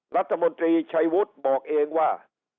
รัฐมนตรีชัยวุฒิบอกเองว่า